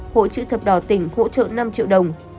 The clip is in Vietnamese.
hỗ trợ thập đỏ tỉnh hỗ trợ năm triệu đồng